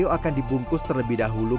jadi setelah hal ini